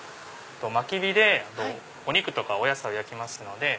薪火でお肉とかお野菜を焼きますので。